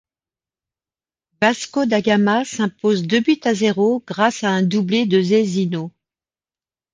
Vasco da Gama s'impose deux buts à zéro grâce à un doublé de Zezinho.